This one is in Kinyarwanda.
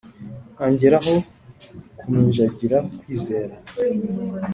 ongeraho kuminjagira kwizera